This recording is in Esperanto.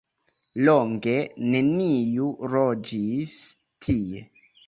Longe neniu loĝis tie.